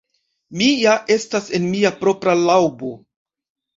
Mi ja estas en mia propra laŭbo.